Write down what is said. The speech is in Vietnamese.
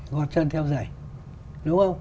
gọt chân theo dạy đúng không